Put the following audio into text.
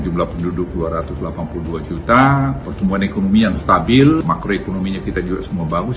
jumlah penduduk dua ratus delapan puluh dua juta pertumbuhan ekonomi yang stabil makroekonominya kita juga semua bagus